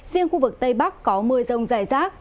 riêng khu vực tây bắc có mưa rông dài rác